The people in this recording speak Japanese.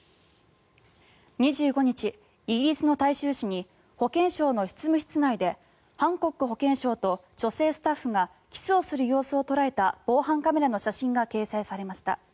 ２５日、イギリスの大衆紙に保健省の執務室内でハンコック保健相と女性スタッフがキスをする様子を捉えた防犯カメラの写真が掲載されました。